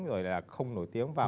rồi là không nổi tiếng vào